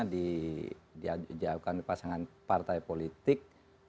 dijawabkan pasangan partai politik